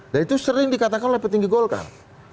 dan itu sering dikatakan oleh petinggi golkar